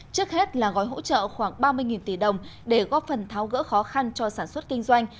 trước hết là gói hỗ trợ khoảng ba mươi tỷ đồng để góp phần tháo gỡ khó khăn cho sản xuất kinh doanh